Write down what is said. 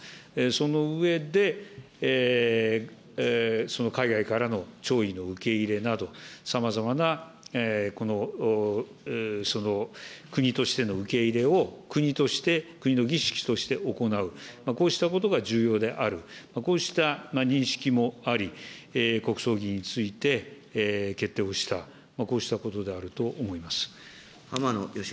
その上で、その海外からの弔意の受け入れなど、さまざまなこの、その、国としての受け入れを、国として、国の儀式として行う、こうしたことが重要である、こうした認識もあり、国葬儀について決定をした、こうしたことであると思います。